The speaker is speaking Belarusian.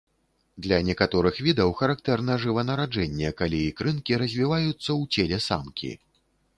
Для некаторых відаў характэрна жыванараджэнне, калі ікрынкі развіваюцца ў целе самкі.